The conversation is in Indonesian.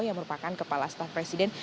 yang merupakan kepala staf presiden